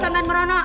sampai nang meronok